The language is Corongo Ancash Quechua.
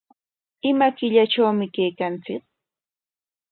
¿Ima killatrawmi kaykanchik?